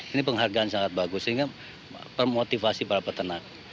ini penghargaan sangat bagus sehingga permotivasi para peternak